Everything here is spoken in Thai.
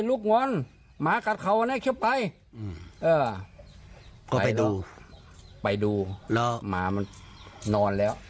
หมามันนอนแล้ว